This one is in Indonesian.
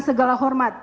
segala hormat kepada